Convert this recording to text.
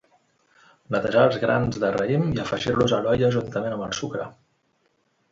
Netejar els grans de raïm i afegir-los a l'olla juntament amb el sucre.